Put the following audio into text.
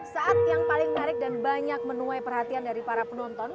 saat yang paling menarik dan banyak menuai perhatian dari para penonton